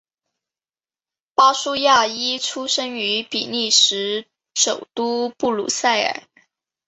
巴舒亚伊出生于比利时首都布鲁塞尔。